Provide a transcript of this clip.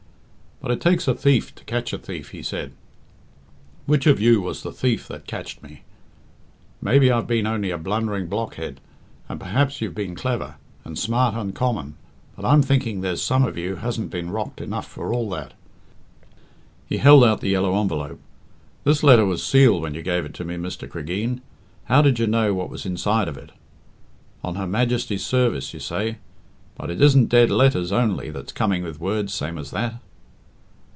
"But it takes a thief to catch a thief," he said. "Which of you was the thief that catcht me? Maybe I've been only a blundering blockhead, and perhaps you've been clever, and smart uncommon, but I'm thinking there's some of you hasn't been rocked enough for all that." He held out the yellow envelope. "This letter was sealed when you gave it to me, Mr. Cregeen how did you know what was inside of it? 'On Her Majesty's Sarvice,' you say. But it isn't dead letters only that's coming with words same as that."